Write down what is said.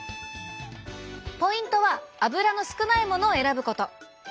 ポイントは脂の少ないものを選ぶこと。